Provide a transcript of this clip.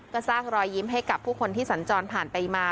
ก็สร้างรอยยิ้มให้กับผู้คนที่สัญจรผ่านไปมา